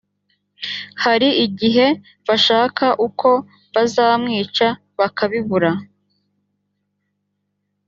hari igihe bashaka uko bazamwica bakabibura